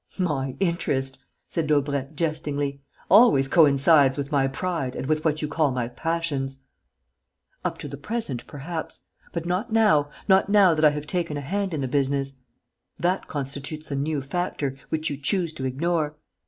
"My interest," said Daubrecq, jestingly, "always coincides with my pride and with what you call my passions." "Up to the present, perhaps. But not now, not now that I have taken a hand in the business. That constitutes a new factor, which you choose to ignore.